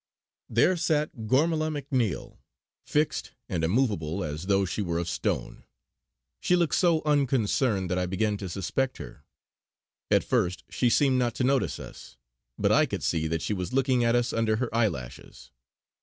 There sat Gormala MacNiel, fixed and immovable as though she were of stone. She looked so unconcerned that I began to suspect her. At first she seemed not to notice us; but I could see that she was looking at us under her eyelashes.